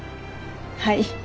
はい。